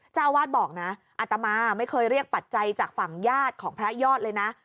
เจ้าอาวาสบอกนะอัตมาไม่เคยเรียกปัจจัยจากฝั่งญาติของพระยอดเลยนะ